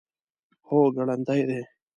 هو، ګړندی دی